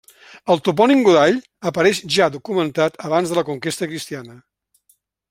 El topònim Godall apareix ja documentat abans de la conquesta cristiana.